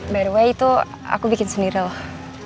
by the way itu aku bikin sendiri loh